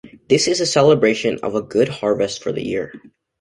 This is a celebration of a good harvest for the year.